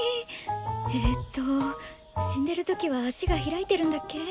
えと死んでる時は足が開いてるんだっけ？